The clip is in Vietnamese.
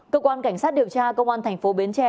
cơ quan cảnh sát điều tra công an thành phố bến tre